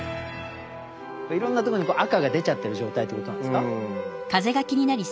いろんなとこに赤が出ちゃってる状態ってことなんですか？